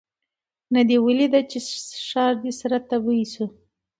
نه دي ولیده چي ښار دي سره تبۍ سو